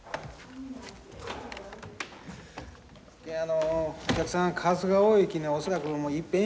あのお客さん数が多いきね恐らくいっぺん